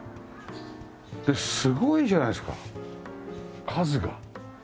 すごいじゃないですか数が。